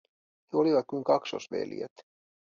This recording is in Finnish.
He olivat kuin kaksosveljet.